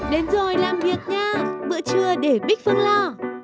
đến rồi làm việc ngay bữa trưa để bích phương lo